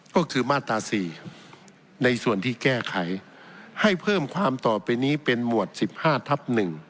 ก็คือมาตรา๔ในส่วนที่แก้ไขให้เพิ่มความต่อไปนี้เป็นหมวด๑๕ทับ๑